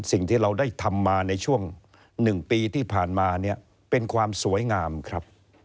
สิ่งที่เราได้ทำมาในช่วง๑ปีที่ผ่านมาเนี่ยเป็นความสวยงามครับ